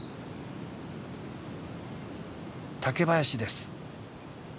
竹林です。